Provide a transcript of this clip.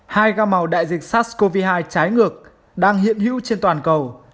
hai ga màu đại dịch sars cov hai trái ngược đang hiện hữu trên toàn cầu